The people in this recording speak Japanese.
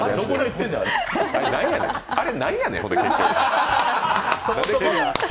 あれ、なんやねん。